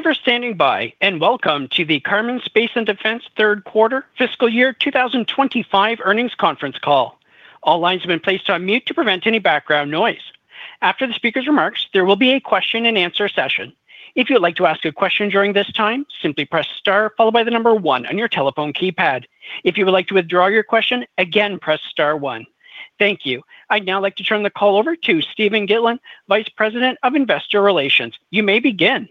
Thank you for standing by, and welcome to the Karman Space & Defense Third Quarter Fiscal Year 2025 Earnings Conference Call. All lines have been placed on mute to prevent any background noise. After the speaker's remarks, there will be a question-and-answer session. If you would like to ask a question during this time, simply press star followed by the number one on your telephone keypad. If you would like to withdraw your question, again press star one. Thank you. I'd now like to turn the call over to Steven Gitlin, Vice President of Investor Relations. You may begin.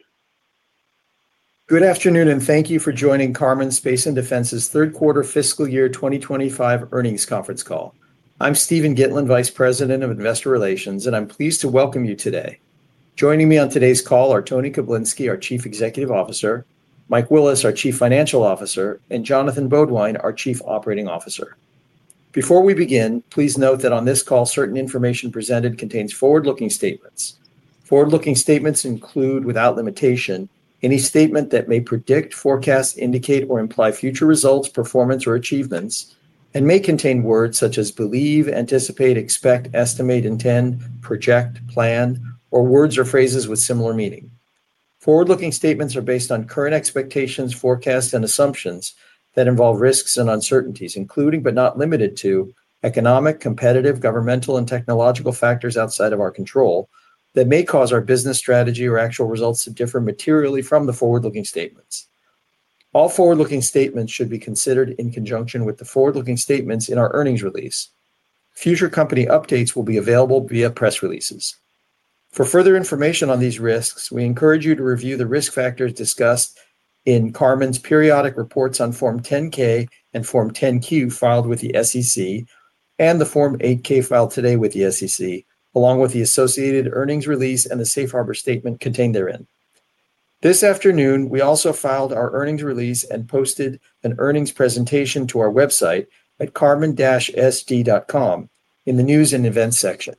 Good afternoon, and thank you for joining Karman Space & Defense's Third Quarter Fiscal Year 2025 Earnings Conference Call. I'm Steven Gitlin, Vice President of Investor Relations, and I'm pleased to welcome you today. Joining me on today's call are Tony Koblinski, our Chief Executive Officer; Mike Willis, our Chief Financial Officer; and Jonathan Beaudoin, our Chief Operating Officer. Before we begin, please note that on this call, certain information presented contains forward-looking statements. Forward-looking statements include, without limitation, any statement that may predict, forecast, indicate, or imply future results, performance, or achievements, and may contain words such as believe, anticipate, expect, estimate, intend, project, plan, or words or phrases with similar meaning. Forward-looking statements are based on current expectations, forecasts, and assumptions that involve risks and uncertainties, including but not limited to economic, competitive, governmental, and technological factors outside of our control that may cause our business strategy or actual results to differ materially from the forward-looking statements. All forward-looking statements should be considered in conjunction with the forward-looking statements in our earnings release. Future company updates will be available via press releases. For further information on these risks, we encourage you to review the risk factors discussed in Karman's periodic reports on Form 10-K and Form 10-Q filed with the SEC and the Form 8-K filed today with the SEC, along with the associated earnings release and the safe harbor statement contained therein. This afternoon, we also filed our earnings release and posted an earnings presentation to our website at karman-sd.com in the News and Events section.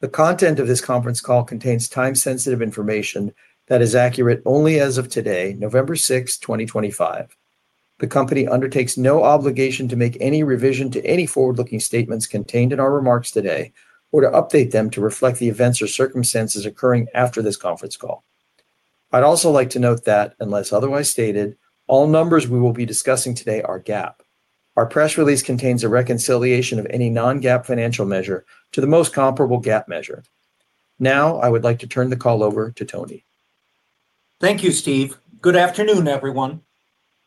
The content of this conference call contains time-sensitive information that is accurate only as of today, November 6, 2025. The company undertakes no obligation to make any revision to any forward-looking statements contained in our remarks today or to update them to reflect the events or circumstances occurring after this conference call. I'd also like to note that, unless otherwise stated, all numbers we will be discussing today are GAAP. Our press release contains a reconciliation of any non-GAAP financial measure to the most comparable GAAP measure. Now, I would like to turn the call over to Tony. Thank you, Steve. Good afternoon, everyone.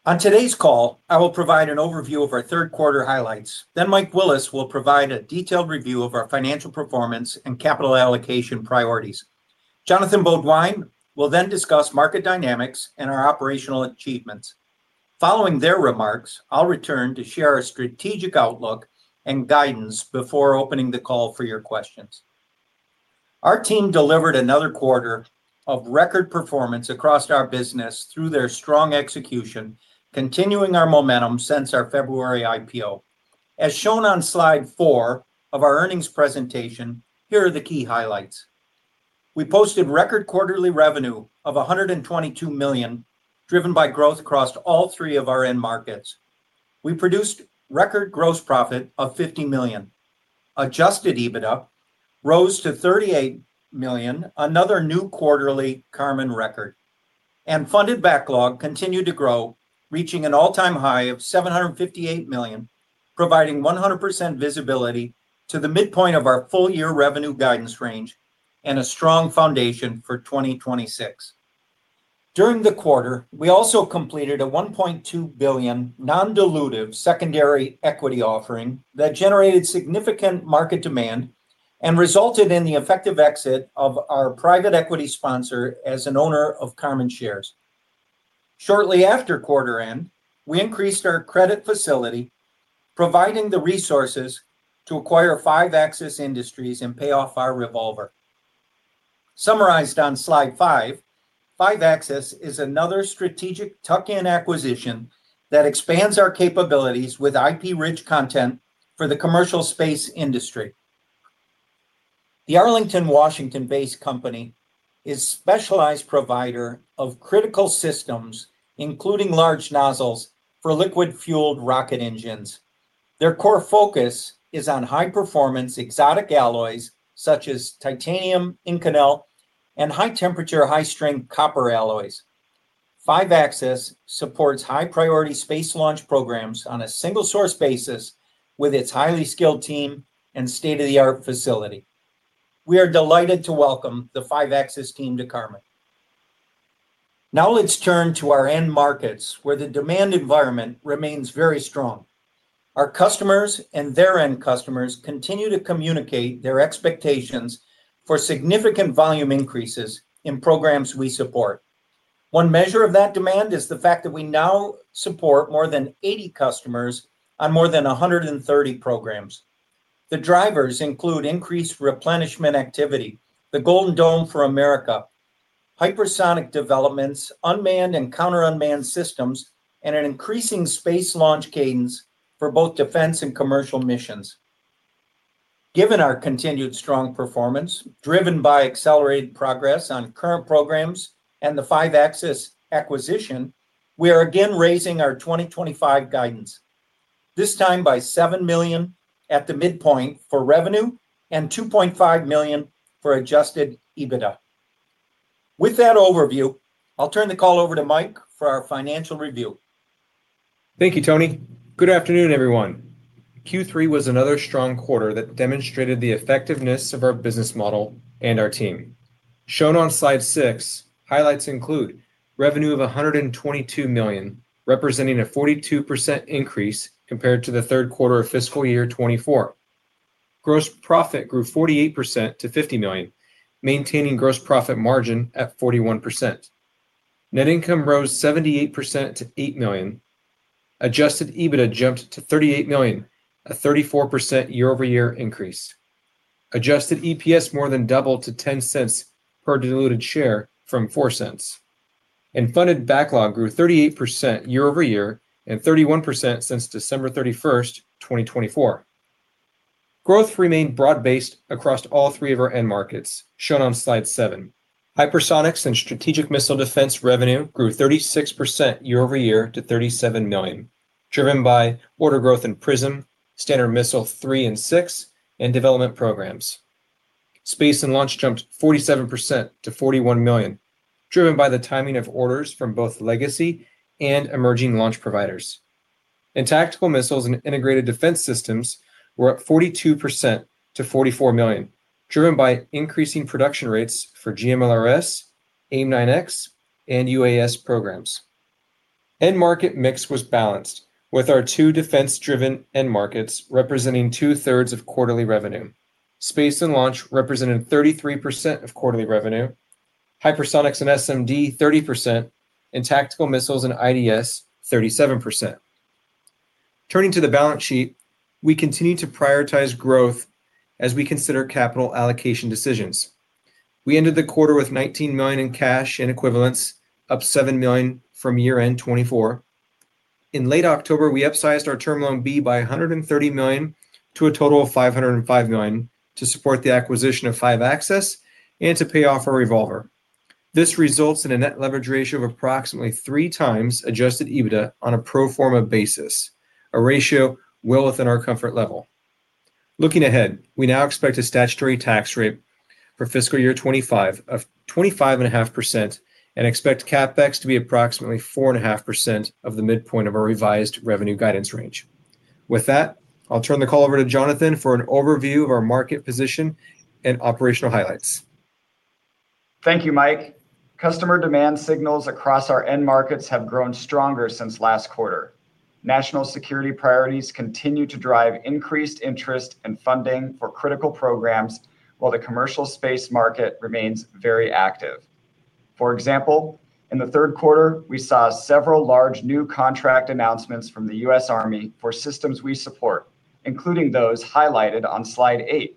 On today's call, I will provide an overview of our third quarter highlights. Mike Willis will provide a detailed review of our financial performance and capital allocation priorities. Jonathan Beaudoin will then discuss market dynamics and our operational achievements. Following their remarks, I'll return to share our strategic outlook and guidance before opening the call for your questions. Our team delivered another quarter of record performance across our business through their strong execution, continuing our momentum since our February IPO. As shown on slide four of our earnings presentation, here are the key highlights. We posted record quarterly revenue of $122 million, driven by growth across all three of our end markets. We produced record gross profit of $50 million. Adjusted EBITDA rose to $38 million, another new quarterly Karman record. Funded Backlog continued to grow, reaching an all-time high of $758 million, providing 100% visibility to the midpoint of our full-year revenue guidance range and a strong foundation for 2026. During the quarter, we also completed a $1.2 billion non-dilutive secondary equity offering that generated significant market demand and resulted in the effective exit of our private equity sponsor as an owner of Karman shares. Shortly after quarter end, we increased our credit facility, providing the resources to acquire Five Axis Industries and pay off our revolver. Summarized on slide five, Five Axis is another strategic tuck-in acquisition that expands our capabilities with IP-rich content for the commercial space industry. The Arlington, Washington-based company is a specialized provider of critical systems, including large nozzles for liquid-fueled rocket engines. Their core focus is on high-performance exotic alloys such as titanium, Inconel, and high-temperature, high-strength copper alloys. Five Axis supports high-priority space launch programs on a single-source basis with its highly skilled team and state-of-the-art facility. We are delighted to welcome the Five Axis team to Karman. Now let's turn to our end markets, where the demand environment remains very strong. Our customers and their end customers continue to communicate their expectations for significant volume increases in programs we support. One measure of that demand is the fact that we now support more than 80 customers on more than 130 programs. The drivers include increased replenishment activity, the Golden Dome for America, hypersonic developments, unmanned and counter-unmanned systems, and an increasing space launch cadence for both defense and commercial missions. Given our continued strong performance, driven by accelerated progress on current programs and the Five Axis acquisition, we are again raising our 2025 guidance, this time by $7 million at the midpoint for revenue and $2.5 million for Adjusted EBITDA. With that overview, I'll turn the call over to Mike for our financial review. Thank you, Tony. Good afternoon, everyone. Q3 was another strong quarter that demonstrated the effectiveness of our business model and our team. Shown on slide six, highlights include revenue of $122 million, representing a 42% increase compared to the third quarter of fiscal year 2024. Gross profit grew 48% to $50 million, maintaining gross profit margin at 41%. Net income rose 78% to $8 million. Adjusted EBITDA jumped to $38 million, a 34% year-over-year increase. Adjusted EPS more than doubled to $0.10 per diluted share from $0.04. Funded Backlog grew 38% year-over-year and 31% since December 31, 2024. Growth remained broad-based across all three of our end markets, shown on slide seven. Hypersonics and strategic missile defense revenue grew 36% year-over-year to $37 million, driven by order growth in PRISM, Standard Missile-3 and Standard Missile-6, and development programs. Space and launch jumped 47% to $41 million, driven by the timing of orders from both legacy and emerging launch providers. Tactical missiles and integrated defense systems were up 42% to $44 million, driven by increasing production rates for GMLRS, AIM-9X, and UAS programs. End market mix was balanced, with our two defense-driven end markets representing two-thirds of quarterly revenue. Space and launch represented 33% of quarterly revenue, hypersonics and SMD 30%, and tactical missiles and IDS 37%. Turning to the balance sheet, we continue to prioritize growth as we consider capital allocation decisions. We ended the quarter with $19 million in cash and equivalents, up $7 million from year-end 2024. In late October, we upsized our term loan B by $130 million to a total of $505 million to support the acquisition of Five Axis and to pay off our revolver. This results in a net leverage ratio of approximately 3x Adjusted EBITDA on a pro forma basis, a ratio well within our comfort level. Looking ahead, we now expect a statutory tax rate for fiscal year 2025 of 25.5% and expect CapEx to be approximately 4.5% of the midpoint of our revised revenue guidance range. With that, I'll turn the call over to Jonathan for an overview of our market position and operational highlights. Thank you, Mike. Customer demand signals across our end markets have grown stronger since last quarter. National security priorities continue to drive increased interest and funding for critical programs while the commercial space market remains very active. For example, in the third quarter, we saw several large new contract announcements from the U.S. Army for systems we support, including those highlighted on slide eight: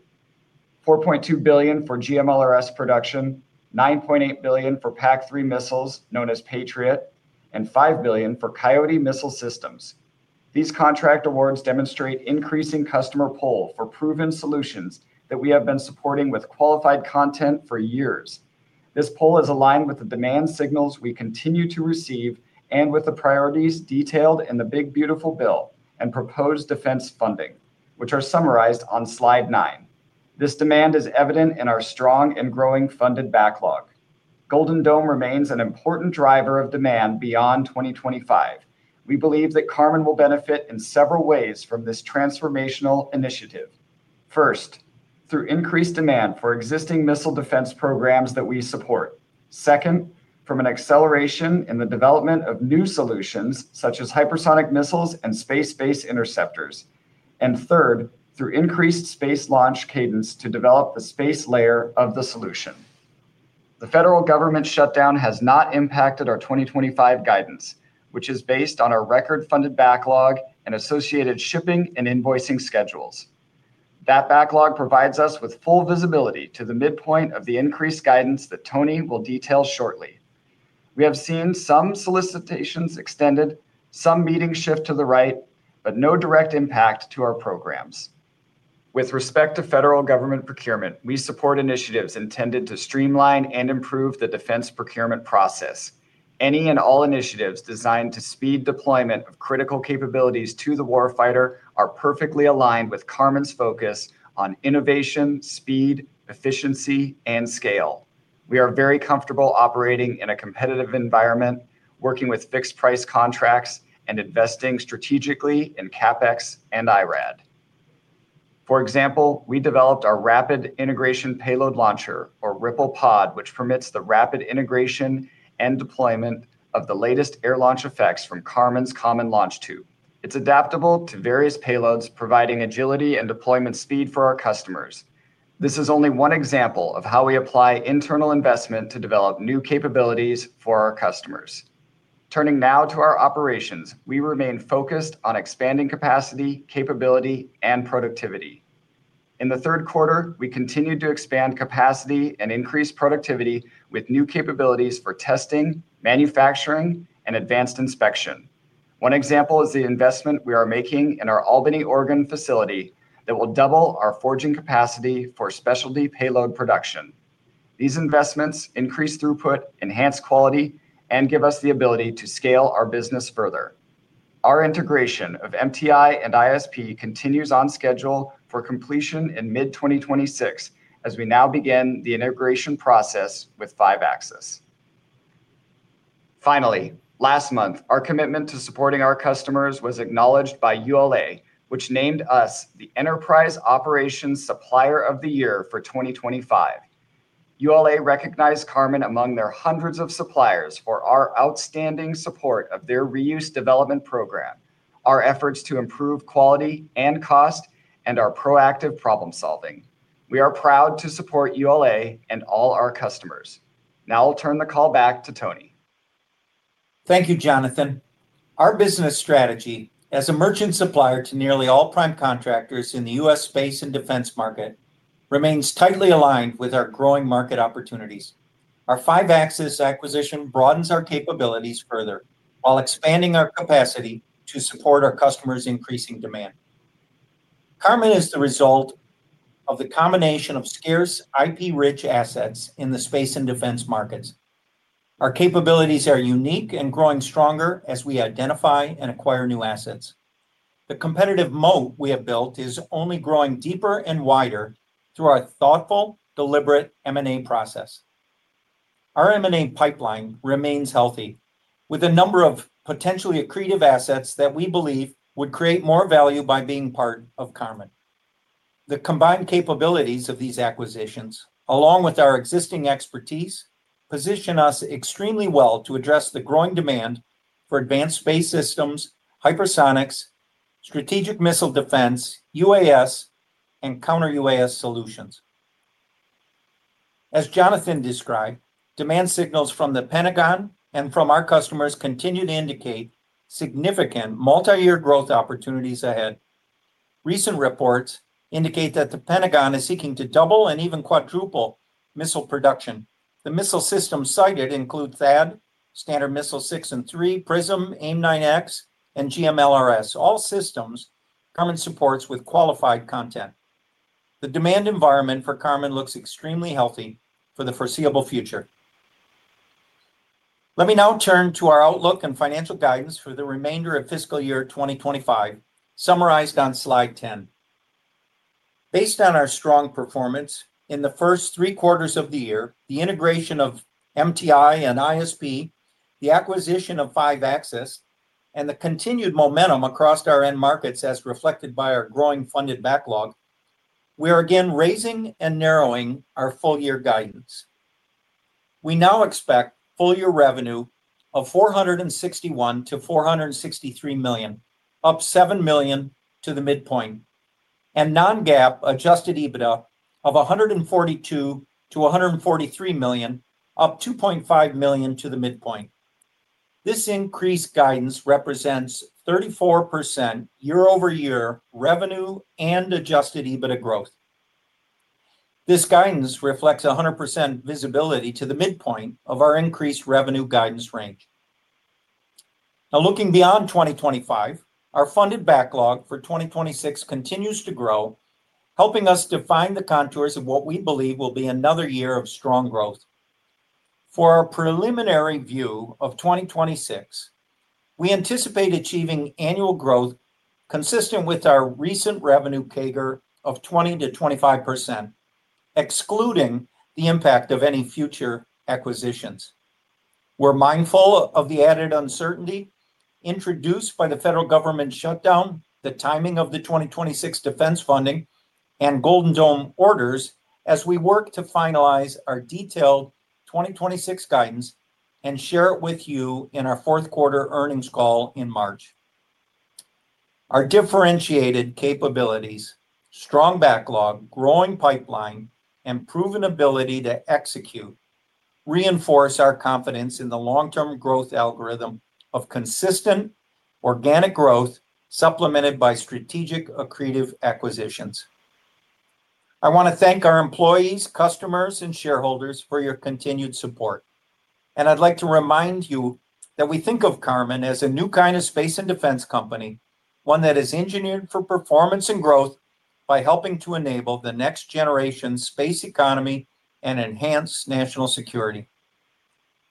$4.2 billion for GMLRS production, $9.8 billion for PAC-3 missiles, known as Patriot, and $5 billion for Coyote missile systems. These contract awards demonstrate increasing customer pull for proven solutions that we have been supporting with qualified content for years. This pull is aligned with the demand signals we continue to receive and with the priorities detailed in the Big Beautiful Bill and proposed defense funding, which are summarized on slide nine. This demand is evident in our strong and growing Funded Backlog. Golden Dome remains an important driver of demand beyond 2025. We believe that Karman will benefit in several ways from this transformational initiative. First, through increased demand for existing missile defense programs that we support. Second, from an acceleration in the development of new solutions such as hypersonic missiles and space-based interceptors. Third, through increased space launch cadence to develop the space layer of the solution. The federal government shutdown has not impacted our 2025 guidance, which is based on our record funded backlog and associated shipping and invoicing schedules. That backlog provides us with full visibility to the midpoint of the increased guidance that Tony will detail shortly. We have seen some solicitations extended, some meetings shift to the right, but no direct impact to our programs. With respect to federal government procurement, we support initiatives intended to streamline and improve the defense procurement process. Any and all initiatives designed to speed deployment of critical capabilities to the warfighter are perfectly aligned with Karman's focus on innovation, speed, efficiency, and scale. We are very comfortable operating in a competitive environment, working with fixed-price contracts and investing strategically in CapEx and IRAD. For example, we developed our Rapid Integration Payload Launcher, or RIPPLE-POD, which permits the rapid integration and deployment of the latest air launch effects from Karman's common launch tube. It's adaptable to various payloads, providing agility and deployment speed for our customers. This is only one example of how we apply internal investment to develop new capabilities for our customers. Turning now to our operations, we remain focused on expanding capacity, capability, and productivity. In the third quarter, we continue to expand capacity and increase productivity with new capabilities for testing, manufacturing, and advanced inspection. One example is the investment we are making in our Albany, Oregon, facility that will double our forging capacity for specialty payload production. These investments increase throughput, enhance quality, and give us the ability to scale our business further. Our integration of MTI and ISP continues on schedule for completion in mid-2026 as we now begin the integration process with Five Axis. Finally, last month, our commitment to supporting our customers was acknowledged by ULA, which named us the Enterprise Operations Supplier of the Year for 2025. ULA recognized Karman among their hundreds of suppliers for our outstanding support of their reuse development program, our efforts to improve quality and cost, and our proactive problem-solving. We are proud to support ULA and all our customers. Now I'll turn the call back to Tony. Thank you, Jonathan. Our business strategy as a merchant supplier to nearly all prime contractors in the U.S. space and defense market remains tightly aligned with our growing market opportunities. Our Five Axis acquisition broadens our capabilities further while expanding our capacity to support our customers' increasing demand. Karman is the result of the combination of scarce IP-rich assets in the space and defense markets. Our capabilities are unique and growing stronger as we identify and acquire new assets. The competitive moat we have built is only growing deeper and wider through our thoughtful, deliberate M&A process. Our M&A pipeline remains healthy, with a number of potentially accretive assets that we believe would create more value by being part of Karman. The combined capabilities of these acquisitions, along with our existing expertise, position us extremely well to address the growing demand for advanced space systems, hypersonics, strategic missile defense, UAS, and counter-UAS solutions. As Jonathan described, demand signals from the Pentagon and from our customers continue to indicate significant multi-year growth opportunities ahead. Recent reports indicate that the Pentagon is seeking to double and even quadruple missile production. The missile systems cited include THAAD, Standard Missile-6 and Standard Missile-3, PRISM, AIM-9X, and GMLRS, all systems Karman supports with qualified content. The demand environment for Karman looks extremely healthy for the foreseeable future. Let me now turn to our outlook and financial guidance for the remainder of fiscal year 2025, summarized on slide 10. Based on our strong performance in the first three quarters of the year, the integration of MTI and ISP, the acquisition of Five Axis, and the continued momentum across our end markets as reflected by our growing Funded Backlog, we are again raising and narrowing our full-year guidance. We now expect full-year revenue of $461-$463 million, up $7 million to the midpoint, and non-GAAP Adjusted EBITDA of $142-$143 million, up $2.5 million to the midpoint. This increased guidance represents 34% year-over-year revenue and Adjusted EBITDA growth. This guidance reflects 100% visibility to the midpoint of our increased revenue guidance range. Now, looking beyond 2025, our Funded Backlog for 2026 continues to grow, helping us define the contours of what we believe will be another year of strong growth. For our preliminary view of 2026, we anticipate achieving annual growth consistent with our recent revenue CAGR of 20%-25%, excluding the impact of any future acquisitions. We're mindful of the added uncertainty introduced by the federal government shutdown, the timing of the 2026 defense funding, and Golden Dome orders as we work to finalize our detailed 2026 guidance and share it with you in our fourth quarter earnings call in March. Our differentiated capabilities, strong backlog, growing pipeline, and proven ability to execute reinforce our confidence in the long-term growth algorithm of consistent organic growth supplemented by strategic accretive acquisitions. I want to thank our employees, customers, and shareholders for your continued support. I'd like to remind you that we think of Karman as a new kind of space and defense company, one that is engineered for performance and growth by helping to enable the next generation space economy and enhanced national security.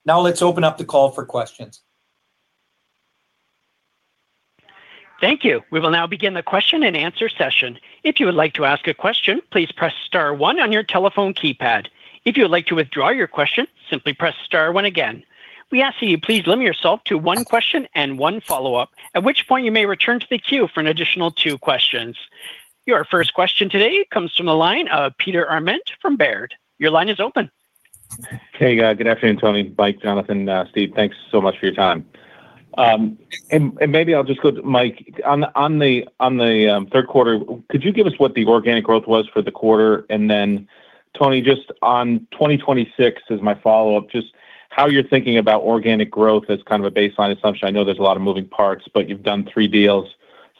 Now let's open up the call for questions. Thank you. We will now begin the question and answer session. If you would like to ask a question, please press star one on your telephone keypad. If you would like to withdraw your question, simply press star one again. We ask that you please limit yourself to one question and one follow-up, at which point you may return to the queue for an additional two questions. Your first question today comes from the line of Peter Arment from Baird. Your line is open. Hey, good afternoon, Tony. Mike, Jonathan, Steve, thanks so much for your time. Maybe I'll just go to Mike. On the third quarter, could you give us what the organic growth was for the quarter? Tony, just on 2026 as my follow-up, just how you're thinking about organic growth as kind of a baseline assumption. I know there's a lot of moving parts, but you've done three deals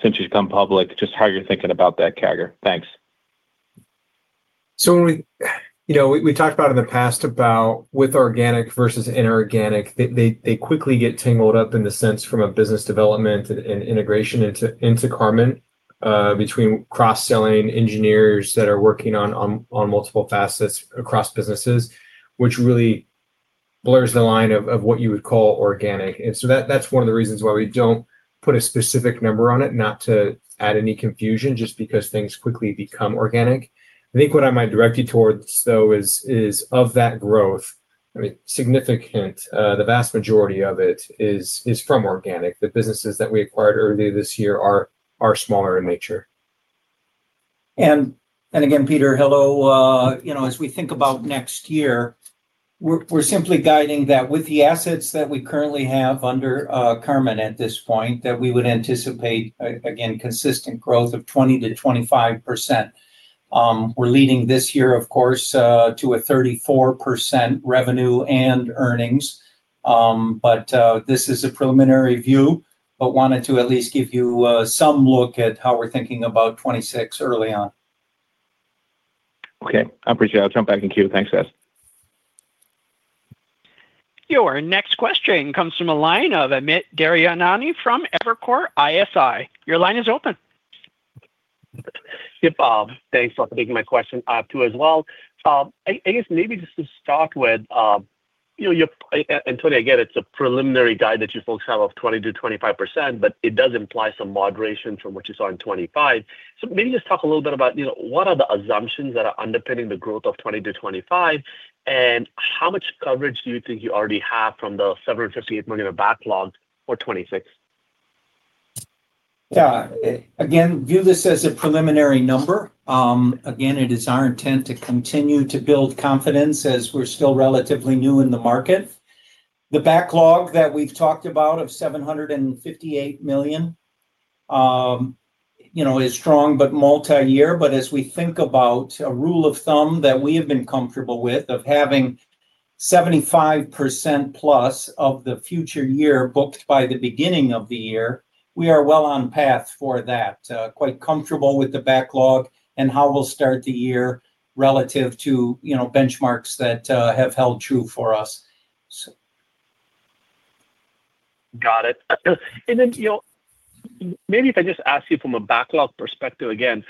since you've come public. Just how you're thinking about that CAGR? Thanks. We talked about in the past about with organic versus inorganic, they quickly get tangled up in the sense from a business development and integration into Karman between cross-selling engineers that are working on multiple facets across businesses, which really blurs the line of what you would call organic. That is one of the reasons why we do not put a specific number on it, not to add any confusion, just because things quickly become organic. I think what I might direct you towards, though, is of that growth, I mean, significant, the vast majority of it is from organic. The businesses that we acquired earlier this year are smaller in nature. Again, Peter, hello. As we think about next year, we are simply guiding that with the assets that we currently have under Karman at this point, we would anticipate, again, consistent growth of 20%-25%. We are leading this year, of course, to a 34% revenue and earnings. This is a preliminary view, but wanted to at least give you some look at how we are thinking about 2026 early on. Okay. I appreciate it. I'll jump back in queue. Thanks, guys. Your next question comes from a line of Amit Daryanani from Evercore ISI. Your line is open. Hey, Bob. Thanks for taking my question too as well. I guess maybe just to start with. It's a preliminary guide that you folks have of 20%-25%, but it does imply some moderation from what you saw in 2025. Maybe just talk a little bit about what are the assumptions that are underpinning the growth of 2020 to 2025, and how much coverage do you think you already have from the $758 million backlog for 2026? Yeah. Again, view this as a preliminary number. Again, it is our intent to continue to build confidence as we're still relatively new in the market. The backlog that we've talked about of $758 million is strong but multi-year. As we think about a rule of thumb that we have been comfortable with of having 75% + of the future year booked by the beginning of the year, we are well on path for that, quite comfortable with the backlog and how we'll start the year relative to benchmarks that have held true for us. Got it. Maybe if I just ask you from a backlog perspective again,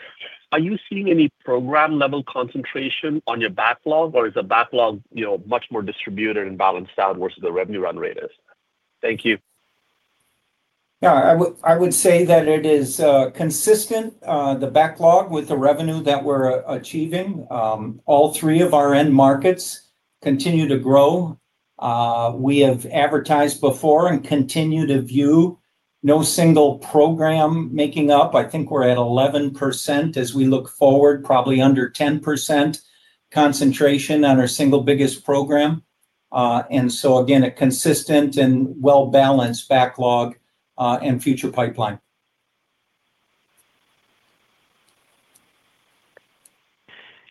are you seeing any program-level concentration on your backlog, or is the backlog much more distributed and balanced out versus the revenue run rate is? Thank you. Yeah. I would say that it is consistent, the backlog, with the revenue that we're achieving. All three of our end markets continue to grow. We have advertised before and continue to view no single program making up. I think we're at 11% as we look forward, probably under 10%. Concentration on our single biggest program. Again, a consistent and well-balanced backlog and future pipeline.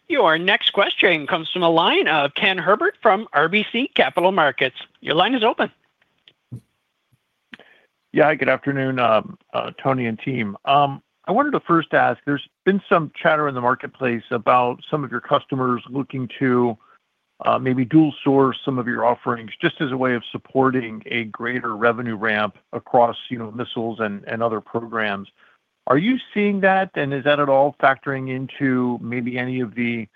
Your next question comes from a line of Ken Herbert from RBC Capital Markets. Your line is open. Yeah. Good afternoon, Tony and team. I wanted to first ask, there's been some chatter in the marketplace about some of your customers looking to maybe dual-source some of your offerings just as a way of supporting a greater revenue ramp across missiles and other programs. Are you seeing that, and is that at all factoring into maybe any of the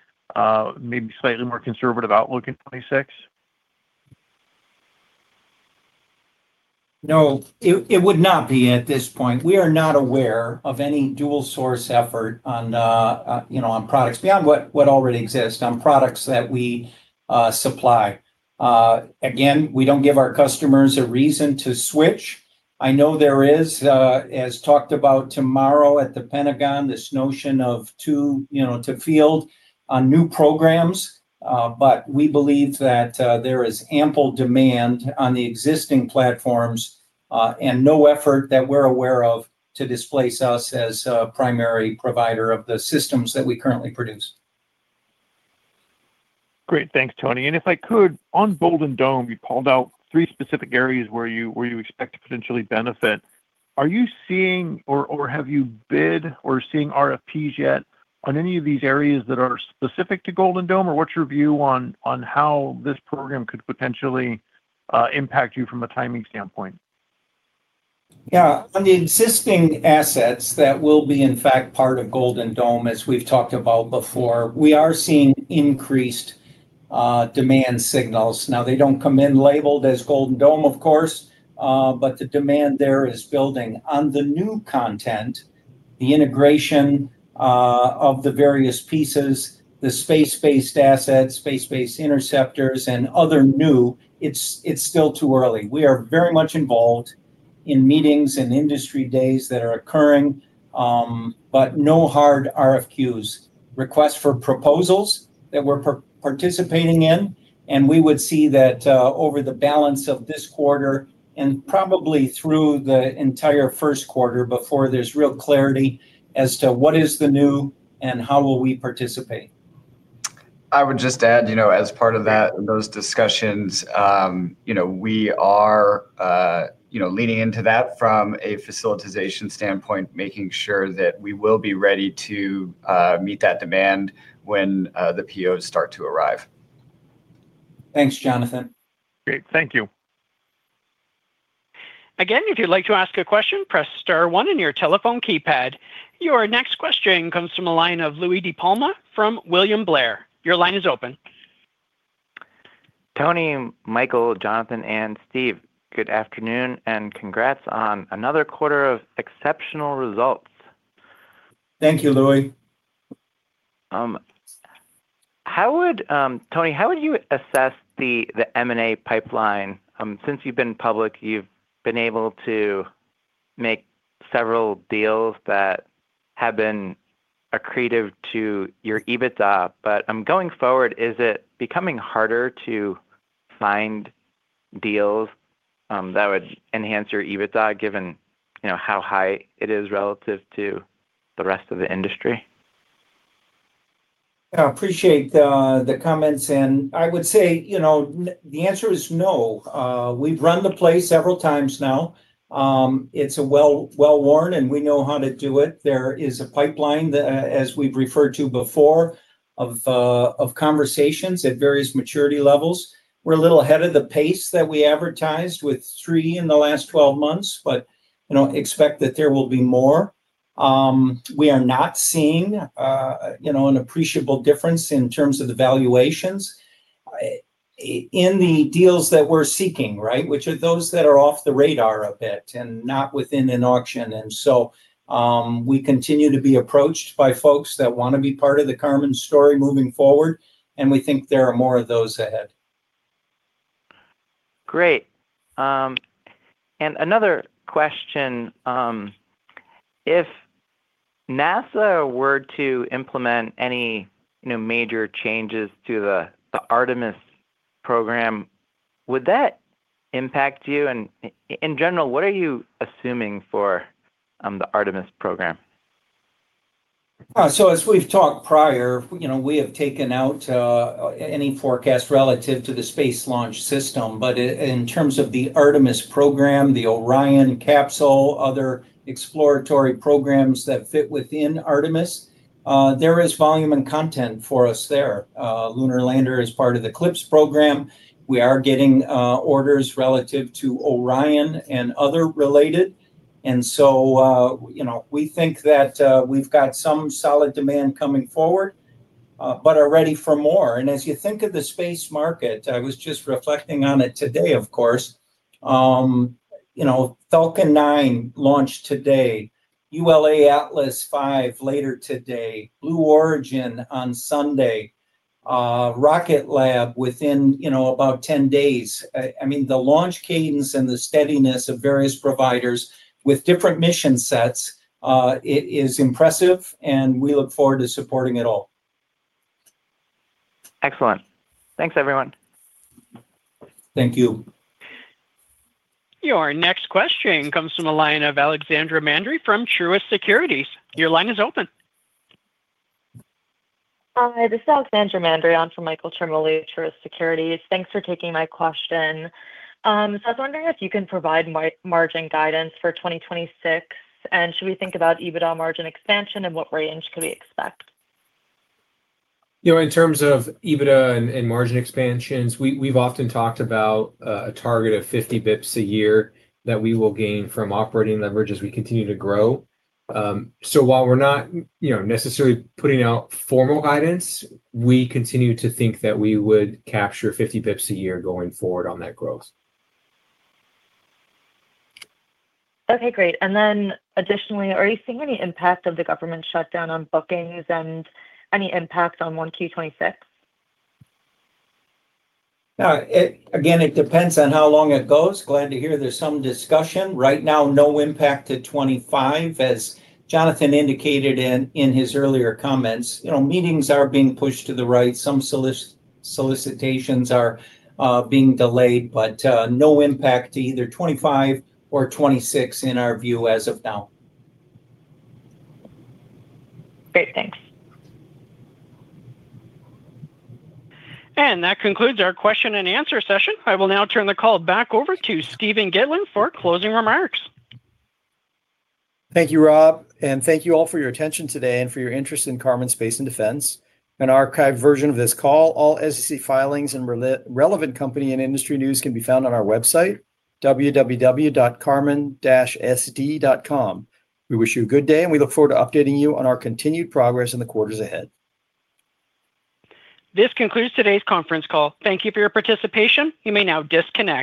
maybe slightly more conservative outlook in 2026? No, it would not be at this point. We are not aware of any dual-source effort on products beyond what already exists on products that we supply. Again, we do not give our customers a reason to switch. I know there is, as talked about tomorrow at the Pentagon, this notion of two to field on new programs, but we believe that there is ample demand on the existing platforms and no effort that we are aware of to displace us as a primary provider of the systems that we currently produce. Great. Thanks, Tony. If I could, on Golden Dome, you called out three specific areas where you expect to potentially benefit. Are you seeing or have you bid or seen RFPs yet on any of these areas that are specific to Golden Dome, or what's your view on how this program could potentially impact you from a timing standpoint? Yeah. On the existing assets that will be, in fact, part of Golden Dome, as we've talked about before, we are seeing increased demand signals. Now, they don't come in labeled as Golden Dome, of course, but the demand there is building. On the new content, the integration of the various pieces, the space-based assets, space-based interceptors, and other new, it's still too early. We are very much involved in meetings and industry days that are occurring, but no hard RFQs, requests for proposals that we're participating in, and we would see that over the balance of this quarter and probably through the entire first quarter before there's real clarity as to what is the new and how will we participate. I would just add, as part of those discussions, we are leaning into that from a facilitization standpoint, making sure that we will be ready to meet that demand when the POs start to arrive. Thanks, Jonathan. Great. Thank you. Again, if you'd like to ask a question, press star one on your telephone keypad. Your next question comes from the line of Louie DiPalma from William Blair. Your line is open. Tony, Michael, Jonathan, and Steve, good afternoon and congrats on another quarter of exceptional results. Thank you, Louie. Tony, how would you assess the M&A pipeline? Since you've been public, you've been able to make several deals that have been accretive to your EBITDA, but going forward, is it becoming harder to find deals that would enhance your EBITDA given how high it is relative to the rest of the industry? Yeah. I appreciate the comments. I would say the answer is no. We've run the play several times now. It's well-worn, and we know how to do it. There is a pipeline, as we've referred to before, of conversations at various maturity levels. We're a little ahead of the pace that we advertised with three in the last 12 months, but expect that there will be more. We are not seeing an appreciable difference in terms of the valuations in the deals that we're seeking, right, which are those that are off the radar a bit and not within an auction. We continue to be approached by folks that want to be part of the Karman story moving forward, and we think there are more of those ahead. Great. Another question. If NASA were to implement any major changes to the Artemis program, would that impact you? In general, what are you assuming for the Artemis program? As we've talked prior, we have taken out any forecast relative to the Space Launch System. In terms of the Artemis program, the Orion capsule, other exploratory programs that fit within Artemis, there is volume and content for us there. Lunar Lander is part of the CLIPS program. We are getting orders relative to Orion and other related. We think that we've got some solid demand coming forward, but are ready for more. As you think of the space market, I was just reflecting on it today, of course. Falcon 9 launched today, ULA Atlas V later today, Blue Origin on Sunday, Rocket Lab within about 10 days. I mean, the launch cadence and the steadiness of various providers with different mission sets is impressive, and we look forward to supporting it all. Excellent. Thanks, everyone. Thank you. Your next question comes from a line of Alexandra Mandery from Truist Securities. Your line is open. Hi, this is Alexandra Mandery. I'm for Michael Ciarmoli, Truist Securities. Thanks for taking my question. I was wondering if you can provide margin guidance for 2026, and should we think about EBITDA margin expansion and what range could we expect? In terms of EBITDA and margin expansions, we've often talked about a target of 50 basis points a year that we will gain from operating leverage as we continue to grow. While we're not necessarily putting out formal guidance, we continue to think that we would capture 50 basis points a year going forward on that growth. Okay. Great. Additionally, are you seeing any impact of the government shutdown on bookings and any impact on 1Q 2026? Again, it depends on how long it goes. Glad to hear there's some discussion. Right now, no impact to 2025, as Jonathan indicated in his earlier comments. Meetings are being pushed to the right. Some solicitations are being delayed, but no impact to either 2025 or 2026 in our view as of now. Great. Thanks. That concludes our question and answer session. I will now turn the call back over to Steven Gitlin for closing remarks. Thank you, Rob. Thank you all for your attention today and for your interest in Karman Space & Defense. An archived version of this call, all SEC filings, and relevant company and industry news can be found on our website, www.karman-sd.com. We wish you a good day, and we look forward to updating you on our continued progress in the quarters ahead. This concludes today's conference call. Thank you for your participation. You may now disconnect.